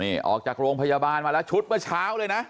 นี่ออกจากโรงพยาบาลมาแล้วชุดเมื่อเช้าเลยนะ